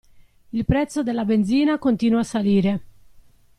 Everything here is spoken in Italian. Il prezzo della benzina continua a salire.